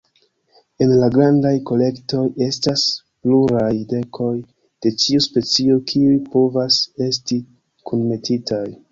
En la grandaj kolektoj, estas pluraj dekoj de ĉiu specio kiuj povas esti kunmetitaj.